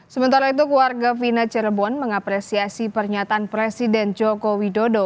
sementara itu keluarga vina cirebon mengapresiasi pernyataan presiden joko widodo